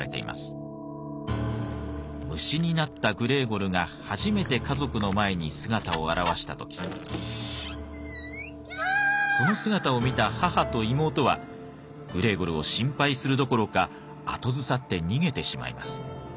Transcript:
虫になったグレーゴルが初めて家族の前に姿を現した時その姿を見た母と妹はグレーゴルを心配するどころか後ずさって逃げてしまいます。